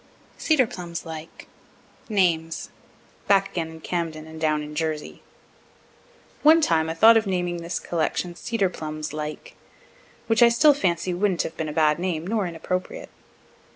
CEDAR PLUMS LIKE NAMES (Back again in Camden and down in Jersey) One time I thought of naming this collection "Cedar Plums Like" (which I still fancy wouldn't have been a bad name nor inappropriate.)